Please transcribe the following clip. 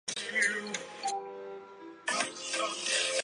已知的内分泌干扰素烷基酚也是一种仿雌激素。